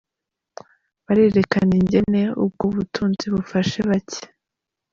Barerekana ingene ubwo butunzi bufasha bake.